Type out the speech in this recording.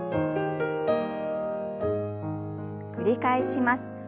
繰り返します。